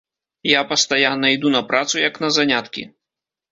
Я пастаянна іду на працу, як на заняткі.